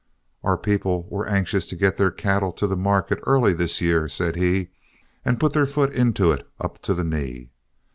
"Our people were anxious to get their cattle on to the market early this year," said he, "and put their foot into it up to the knee.